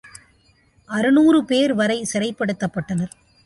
அறுநூறு பேர் வரை சிறைப்படுத்தப்பட்டனர்.